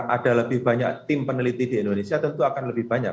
ada lebih banyak tim peneliti di indonesia tentu akan lebih banyak